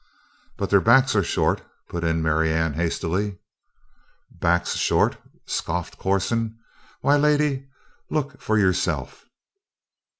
"But their backs are short," put in Marianne hastily. "Backs short?" scoffed Corson, "Why, lady look for yourself!"